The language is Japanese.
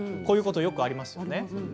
こういうことよくありますよね？